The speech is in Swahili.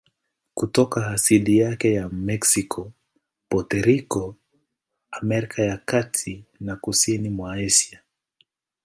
Kutoka asili yake ya Meksiko, Puerto Rico, Amerika ya Kati na kusini mwa Asia.